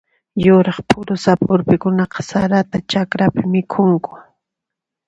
Yuraq phurusapa urpikunaqa sarata chakrapi mikhunku.